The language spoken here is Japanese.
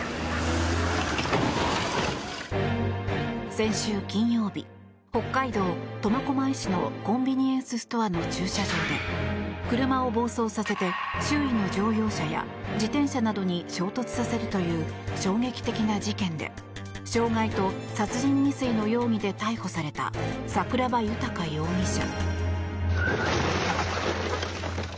先週金曜日、北海道苫小牧市のコンビニエンスストアの駐車場で車を暴走させて周囲の乗用車や自転車などに衝突させるという衝撃的な事件で傷害と殺人未遂の容疑で逮捕された桜庭豊容疑者。